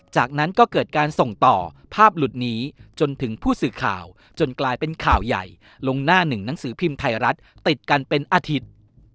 จากนั้นก็เกิดการส่งต่อภาพหลุดนี้จนถึงผู้สื่อข่าวจนกลายเป็นข่าวใหญ่ลงหน้าหนึ่งหนังสือพิมพ์ไทยรัฐติดกันเป็นอาทิตย์